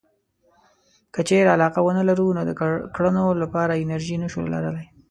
که چېرې علاقه ونه لرو نو د کړنو لپاره انرژي نشو لرلای.